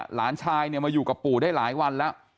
หลานชายเนี่ยมาอยู่กับปู่ได้หลายวันแล้ว